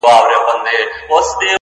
• هغومره اوږدیږي ,